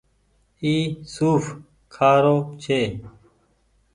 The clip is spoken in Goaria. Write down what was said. اي سوڦ کآ رو ڇي۔